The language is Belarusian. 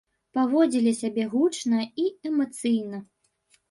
Паводзілі сябе гучна і эмацыйна.